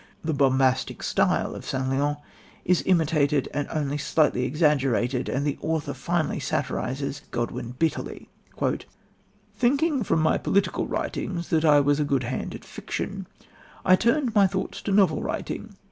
The bombastic style of St. Leon is imitated and only slightly exaggerated, and the author finally satirises Godwin bitterly: "Thinking from my political writings that I was a good hand at fiction, I turned my thoughts to novel writing.